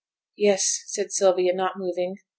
'Yes,' said Sylvia, not moving.